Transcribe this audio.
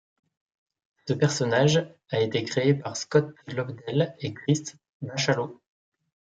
Ce personnage a été créé par Scott Lobdell et Chris Bachalo.